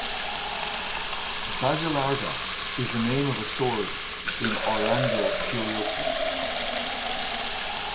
"Basilarda" is the name of a sword in "Orlando Furioso".